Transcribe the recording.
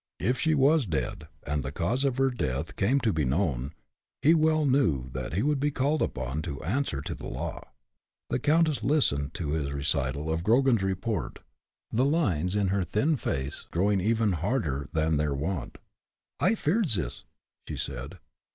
If she was dead, and the cause of her death came to be known, he well knew that he would be called upon to answer to the law. The countess listened to his recital of Grogan's report, the lines in her thin face growing even harder than were their wont. "I feared zis," she said.